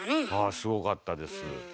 すごかったです。